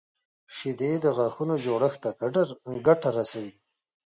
شیدې د غاښونو جوړښت ته ګټه رسوي